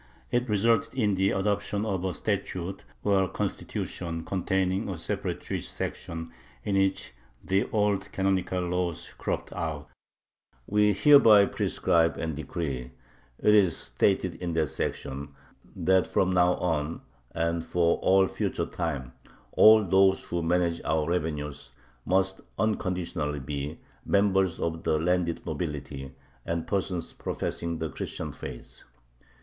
It resulted in the adoption of a statute, or a "constitution," containing a separate Jewish section, in which the old canonical laws cropped out: We hereby prescribe and decree it is stated in that section that from now on and for all future time all those who manage our revenues must unconditionally be members of the landed nobility, and persons professing the Christian faith....